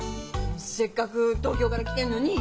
せっかく東京から来てんのにぃ。